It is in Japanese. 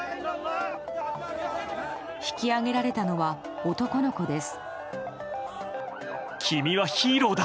引き上げられたのは男の子です。